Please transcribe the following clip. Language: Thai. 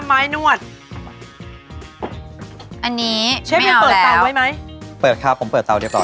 ไม้นวดอันนี้เชฟยังเปิดเตาไว้ไหมเปิดค่ะผมเปิดเตาเรียบร้อย